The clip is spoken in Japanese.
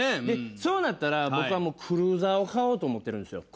でそうなったら僕はクルーザーを買おうと思ってるんです。